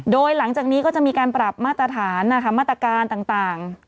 โดยหลังจากนี้ก็จะมีการปรับมาตรฐานนะคะมาตรการต่าง